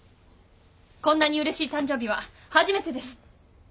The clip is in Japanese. こんなにうれしい誕生日は初めてです。